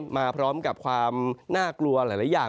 มาพร้อมกับความน่ากลัวหลายอย่าง